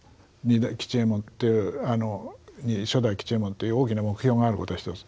吉右衛門という初代吉右衛門という大きな目標があることが一つ。